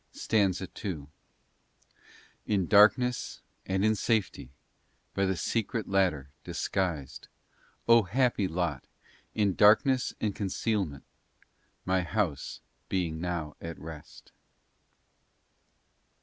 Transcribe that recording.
STANZA IL In darkness, and in safety, By the secret ladder, disguised, O happy lot! In darkness and concealment, My house being now at rest.